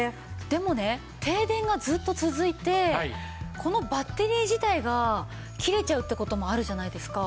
でもね停電がずっと続いてこのバッテリー自体が切れちゃうって事もあるじゃないですか。